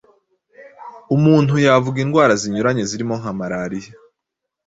Umuntu yavuga indwara zinyuranye zirimo nka marariya,